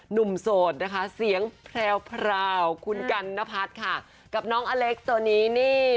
โสดนะคะเสียงแพรวคุณกันนพัฒน์ค่ะกับน้องอเล็กซ์ตัวนี้นี่